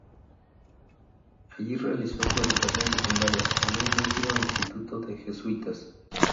Allí realizó su educación secundaria en un rígido instituto de jesuítas.